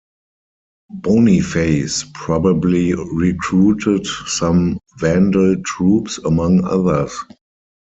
Boniface probably recruited some Vandal troops among others.